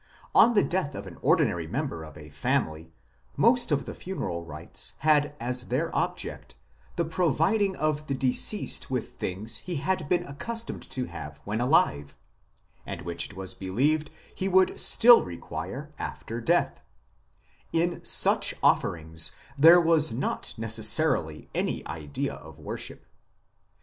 On the death of an ordinary member of a family most of the funeral rites had as their object the providing of the deceased with things he had been accustomed to have when alive, and which it was believed he would still require after death ; in such " offerings " there was not necessarily any idea of worship.